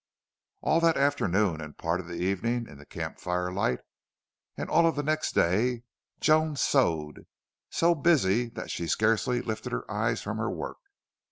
All that afternoon, and part of the evening in the campfire light, and all of the next day Joan sewed, so busy that she scarcely lifted her eyes from her work.